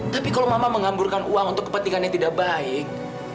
tapi kalau mama mengamburkan uang untuk kepentingannya tidak baik